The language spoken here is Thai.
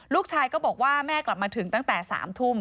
ลูกชายก็บอกว่าแม่กลับมาถึงตั้งแต่๓ทุ่ม